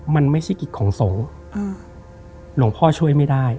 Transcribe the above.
มันไม่ใช่กิจของสงฆ์หลวงพ่อช่วยไม่ได้